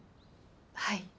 はい。